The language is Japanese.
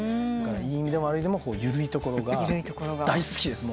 いい意味でも悪い意味でもゆるいところが大好きです。